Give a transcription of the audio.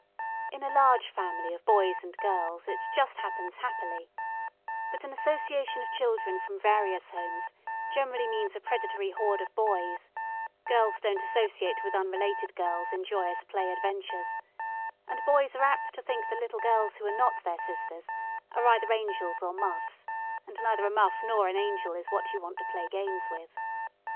In a large family of boys and girls it just happens happily, but an association of children from various homes generally means a predatory horde of boys: girls don't associate with unrelated girls in joyous play adventures, and boys are apt to think that little girls who are not their sisters are either angels or muffs, and neither a muff nor an angel is what you want to play games with.